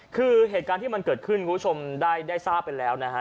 คือเหตุการณ์ที่มันเกิดขึ้นคุณผู้ชมได้ทราบไปแล้วนะฮะ